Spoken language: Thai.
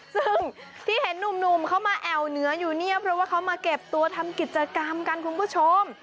ซึ่งที่เห็นหนุ่มเขามาแอวเหนืออยู่เนี่ยเพราะว่าเขามาเก็บตัวทำกิจกรรมกันคุณผู้ชม